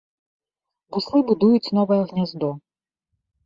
Буслы будуюць новае гняздо.